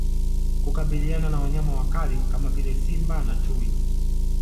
Kukabiliana na Wanyama wakali kama vile Simba na Chui